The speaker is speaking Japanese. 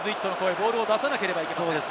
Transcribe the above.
ボールを出さなければいけません。